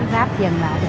ráp dần lại